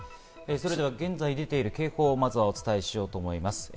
それでは現在出ている警報をまずはお伝えしようと思います。